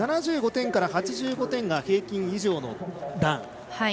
７５点から８５点が平均以上のラン。